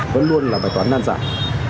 vẫn luôn là bài toán năn dạng